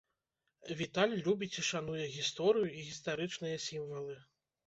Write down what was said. Віталь любіць і шануе гісторыю і гістарычныя сімвалы.